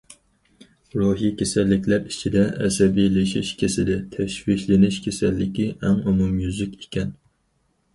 روھى كېسەللىكلەر ئىچىدە ئەسەبىيلىشىش كېسىلى، تەشۋىشلىنىش كېسەللىكى ئەڭ ئومۇميۈزلۈك ئىكەن.